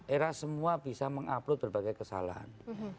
era semua bisa mengupload berbagai kesalahan